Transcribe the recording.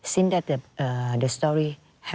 ชาลิด่าบ้างกว่า